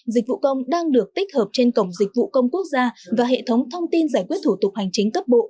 dịch vụ công đang được tích hợp trên cổng dịch vụ công quốc gia và hệ thống thông tin giải quyết thủ tục hành chính cấp bộ